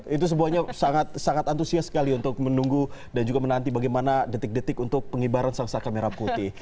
itu sebuahnya sangat sangat antusias sekali untuk menunggu dan juga menanti bagaimana detik detik untuk pengibaran sangsaka merah putih